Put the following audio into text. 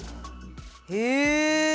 へえ。